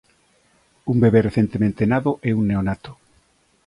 Un bebé recentemente nado é un neonato.